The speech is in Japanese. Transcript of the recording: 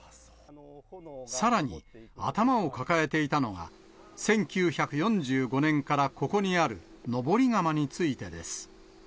さらに、頭を抱えていたのは、１９４５年からここにある登り窯についてです。